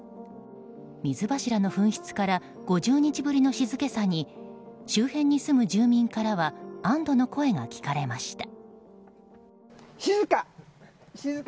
水柱の噴出から５０日ぶりの静けさに周辺に住む住人からは安堵の声が聞かれました。